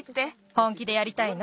本気でやりたいの？